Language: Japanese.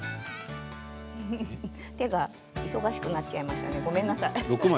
手が忙しくなっちゃいましたねごめんなさい。